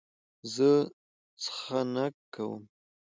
زه څخنک کوم.